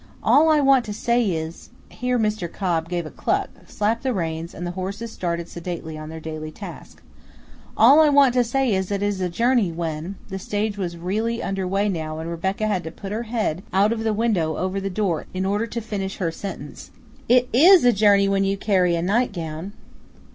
All I want to say is" here Mr. Cobb gave a cluck, slapped the reins, and the horses started sedately on their daily task "all I want to say is that it is a journey when" the stage was really under way now and Rebecca had to put her head out of the window over the door in order to finish her sentence "it IS a journey when you carry a nightgown!"